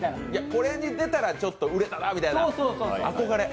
これに出たらちょっと売れたなみたいな、憧れ。